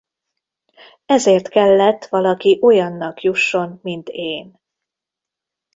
Ezért kellett valaki olyannak jusson mint én.